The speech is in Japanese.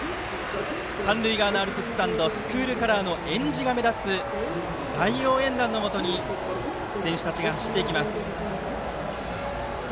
三塁側のアルプススタンドスクールカラーのえんじが目立つ大応援団のもとに選手たちが走っていきます。